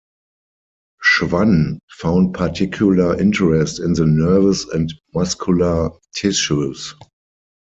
Schwann found particular interest in the nervous and muscular tissues.